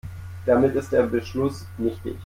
Damit ist der Beschluss nichtig.